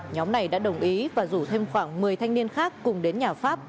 nhóm này đã đồng ý và rủ thêm khoảng một mươi thanh niên khác cùng đến nhà pháp